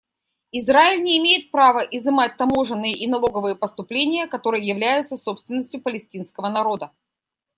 Израиль не имеет права изымать таможенные и налоговые поступления, которые являются собственностью палестинского народа.